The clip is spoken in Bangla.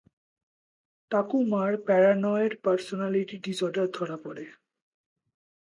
টাকুমার প্যারানয়েড পারসোনালিটি ডিসঅর্ডার ধরা পড়ে।